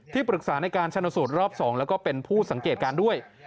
ปรึกษาในการชนสูตรรอบ๒แล้วก็เป็นผู้สังเกตการณ์ด้วย